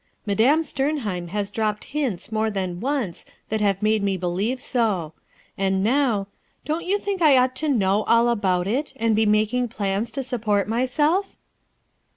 Madame Sternheim has dropped hints more than once that have made me believe so. And now, — don't you think I ought to know all about it, and be making plans to support myself?"